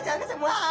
わあ！